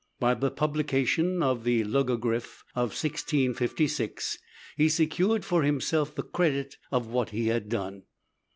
By the publication of the logogriph of 1656 he secured for himself the credit of what he had done.